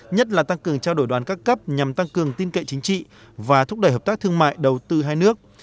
nhất là tăng cường trao đổi đoàn các cấp nhằm tăng cường tin cậy chính trị và thúc đẩy hợp tác thương mại đầu tư hai nước